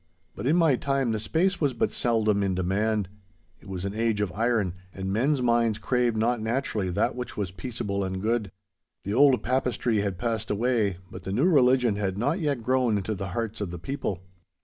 But in my time the space was but seldom in demand. It was an age of iron, and men's minds craved not naturally that which was peaceable and good. The old Papistry had passed away, but the new religion had not yet grown into the hearts of the people.